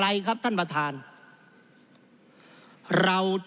จึงฝากกลับเรียนเมื่อเรามีการแก้รัฐพาหารกันอีก